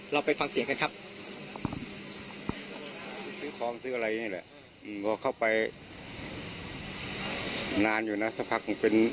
เราไปฟังเสียงกันครับ